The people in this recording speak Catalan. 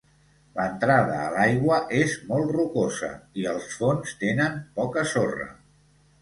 L'entrada a l'aigua és molt rocosa i els fons tenen poca sorra.